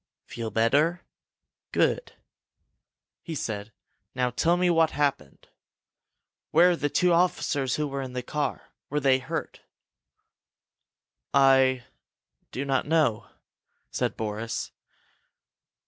"Feel better? Good!" he said. "Now tell me what happened! Where are the two officers who were in the car? Were they hurt?" "I do not know," said Boris.